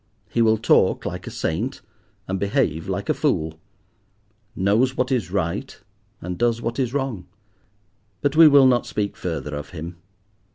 He will talk like a saint and behave like a fool, knows what is right and does what is wrong. But we will not speak further of him.